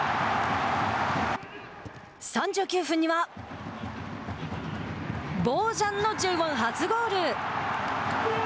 ３９分にはボージャンのＪ１初ゴール。